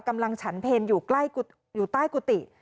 กำลังฉันเพลงอยู่ใต้กุฏิ